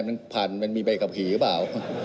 มันผ่านมันมีใบกลับหิ้วหรือเปล่า